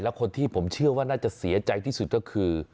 และคนที่ผมเชื่อว่าน่าจะเสียใจที่สุดก็คือ